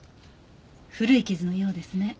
古い傷のようですね。